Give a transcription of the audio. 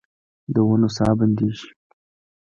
د ونو ساه بندیږې